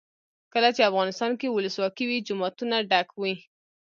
کله چې افغانستان کې ولسواکي وي جوماتونه ډک وي.